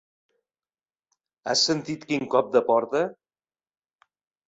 Has sentit quin cop de porta?